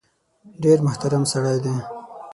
ډېر محترم سړی دی .